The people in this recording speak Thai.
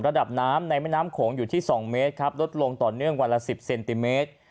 ระดับน้ำในแม่น้ำโขงอยู่ที่๒เมตรครับลดลงต่อเนื่องวันละ๑๐เซนติเมตร